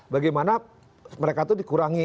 bagaimana mereka tuh dikonsumsi